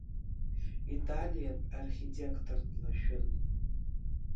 Италиатә архитектор длашәын.